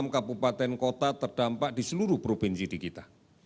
tiga ratus delapan puluh enam kabupaten kota terdampak di seluruh provinsi di kita